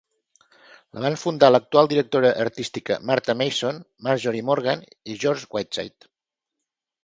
La van fundar l'actual directora artística, Martha Mason, Marjorie Morgan i George Whiteside.